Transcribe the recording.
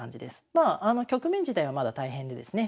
まあ局面自体はまだ大変でですね